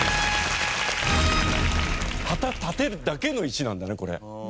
旗立てるだけの石なんだねこれ。